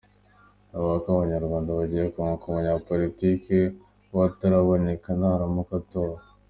yavugaga ko Abanyarwanda bagiye kunguka umunyapolitike w’akataraboneka naramuka atowe.